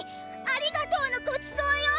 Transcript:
ありがとうのごちそうよ！